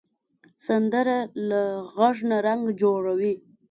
سندره له غږ نه رنګ جوړوي